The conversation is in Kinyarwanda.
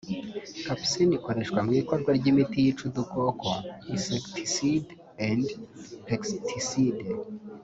Capsaïcine ikoreshwa mu ikorwa ry’imiti yica udukoko (insecticide &pesticide)